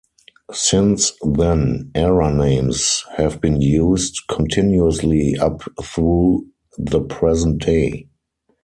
Since then, era names have been used continuously up through the present day.